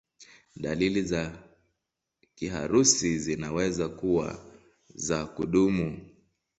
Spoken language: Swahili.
Dalili za kiharusi zinaweza kuwa za kudumu.